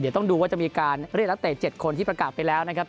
เดี๋ยวต้องดูว่าจะมีการเรียกนักเตะ๗คนที่ประกาศไปแล้วนะครับ